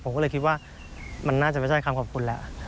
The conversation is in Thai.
ผมก็เลยคิดว่ามันน่าจะไม่ใช่คำขอบคุณแล้ว